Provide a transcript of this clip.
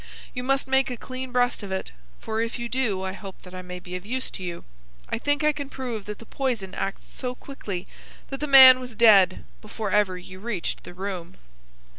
You must make a clean breast of it, for if you do I hope that I may be of use to you. I think I can prove that the poison acts so quickly that the man was dead before ever you reached the room."